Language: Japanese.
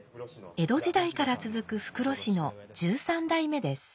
江戸時代から続く袋師の十三代目です。